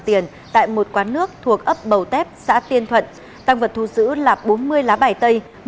tiền tại một quán nước thuộc ấp bầu tép xã tiên thuận tăng vật thu giữ là bốn mươi lá bài tây